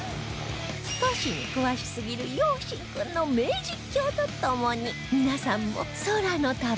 都市に詳しすぎる陽心君の名実況とともに皆さんも空の旅へ